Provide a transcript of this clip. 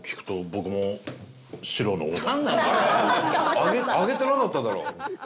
伊達：挙げてなかっただろ！